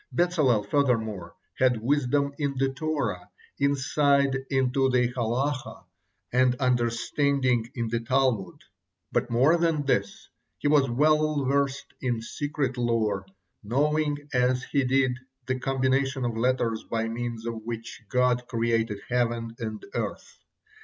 Bezalel, furthermore, had wisdom in the Torah, insight into the Halakah, and understanding in the Talmud, but more than this, he was well versed in secret lore, knowing as he did the combination of letters by means of which God created heaven and earth.